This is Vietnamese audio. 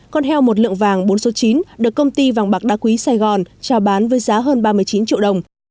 con heo một lượng vàng bốn số chín được công ty vàng bạc đá quý sài gòn trao bán với giá hơn ba mươi chín triệu đồng